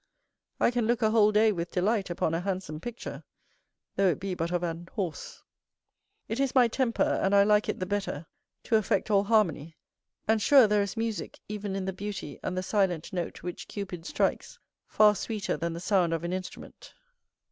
I can look a whole day with delight upon a handsome picture, though it be but of an horse. It is my temper, and I like it the better, to affect all harmony; and sure there is musick, even in the beauty and the silent note which Cupid strikes, far sweeter than the sound of an instrument.